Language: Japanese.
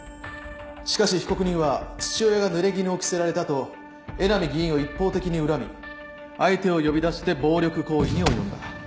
しかし被告人は父親がぬれぎぬを着せられたと江波議員を一方的に恨み相手を呼び出して暴力行為に及んだ。